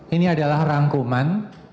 ini adalah rangkuman